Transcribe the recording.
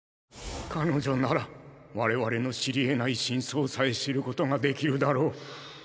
彼女なら我々の知り得ない真相さえ知ることができるだろう。